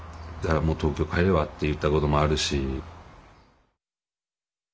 だからもう東京帰ればって言ったこともあるし。